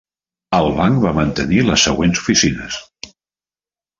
El banc va mantenir les següents oficines.